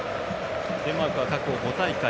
デンマークは過去５大会